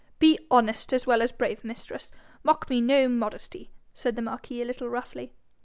'Be honest as well as brave, mistress. Mock me no modesty.' said the marquis a little roughly.